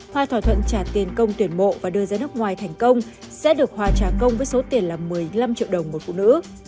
hai thỏa thuận trả tiền công tuyển mộ và đưa ra nước ngoài thành công sẽ được hòa trả công với số tiền là một mươi năm triệu đồng một phụ nữ